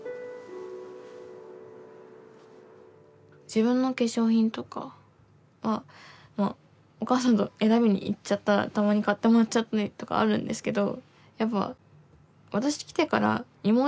自分の化粧品とかはお母さんと選びに行っちゃったらたまに買ってもらっちゃったりとかあるんですけど。